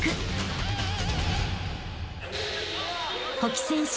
［甫木選手